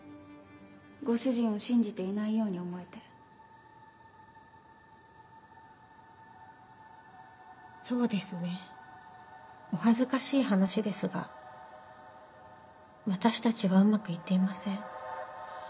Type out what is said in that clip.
ご主人を信じていないように思えてそうですねお恥ずかしい話ですが私たちはうまくいっていません